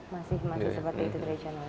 masih seperti itu tradisional ya